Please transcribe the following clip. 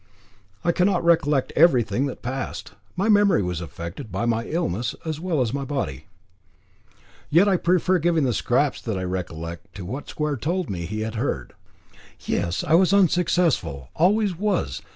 I cannot recollect everything that passed. My memory was affected by my illness, as well as my body. Yet I prefer giving the scraps that I recollect to what Square told me he had heard. "Yes I was unsuccessful, always was.